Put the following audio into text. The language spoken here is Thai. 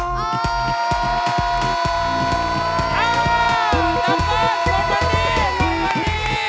สวัสดี